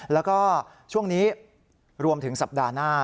แล้วก็ช่วงนี้รวมถึงสัปดาห์หน้า